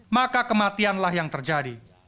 maka kematianlah yang terjadi